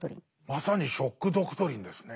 まさに「ショック・ドクトリン」ですね。